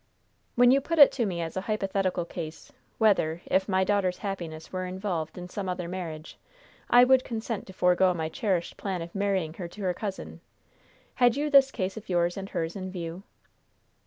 "When you put it to me as a hypothetical case, whether, if my daughter's happiness were involved in some other marriage, I would consent to forego my cherished plan of marrying her to her cousin, had you this case of yours and hers in view?"